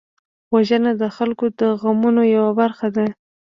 وژنه د خلکو د غمونو یوه برخه ده